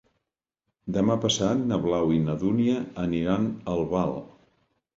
Demà passat na Blau i na Dúnia aniran a Albal.